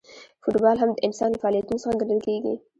فوټبال هم د انسان له فعالیتونو څخه ګڼل کیږي.